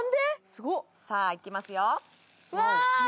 スゴっさあいきますよ